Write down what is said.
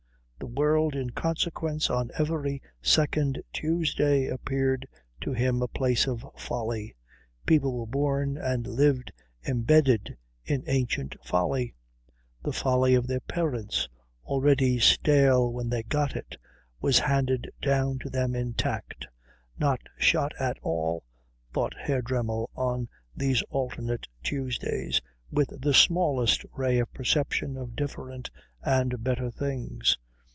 The world in consequence on every second Tuesday appeared to him a place of folly. People were born and lived embedded in ancient folly. The folly of their parents, already stale when they got it, was handed down to them intact, not shot at all, thought Herr Dremmel on these alternate Tuesdays, with the smallest ray of perception of different and better things.